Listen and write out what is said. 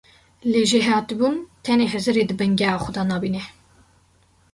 Lê jêhatîbûn tenê hizirê di bingeha xwe de nabîne.